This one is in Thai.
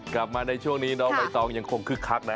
กลับมาในช่วงนี้น้องใบตองยังคงคึกคักนะ